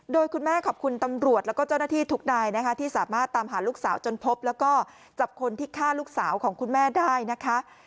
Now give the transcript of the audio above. โดยคุณแม่ขอบคุณตำรวจแล้วก็เจ้าหน้าที่ทุกนายนะคะที่สามารถตามหาลูกสาวจนพบแล้วก็จับคนที่ฆ่าลูกสาวของคุณแม่ได้นะคะ